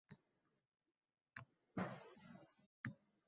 Hamdning savobi boqiy qoladi.